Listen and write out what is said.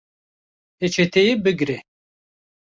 Peçeteyê bigre